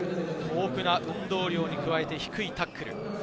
豊富な運動量に加えて低いタックル。